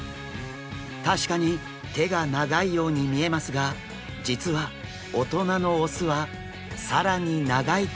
確かに手が長いように見えますが実は大人の雄は更に長い手を持っているんです。